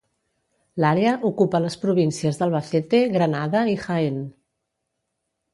L'àrea ocupa les províncies d'Albacete, Granada i Jaén.